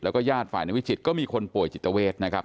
แล้วก็ญาติฝ่ายในวิจิตก็มีคนป่วยจิตเวทนะครับ